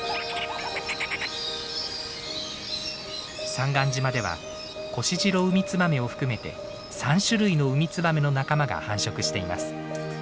三貫島ではコシジロウミツバメを含めて３種類のウミツバメの仲間が繁殖しています。